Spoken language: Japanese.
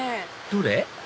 どれ？